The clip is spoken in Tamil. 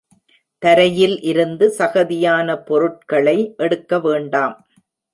தரையில் இருந்து சகதியான பொருட்களை எடுக்க வேண்டாம்.